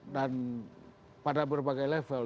dan pada berbagai level